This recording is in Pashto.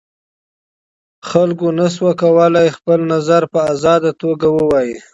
خلګو نسوای کولای خپل نظر په ازاده توګه ووایي.